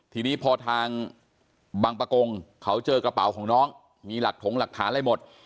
ทีนี้พอทางบังปะกงเขาเจอกระเป๋าของน้องมีหลักถงหลักฐานอะไรหมด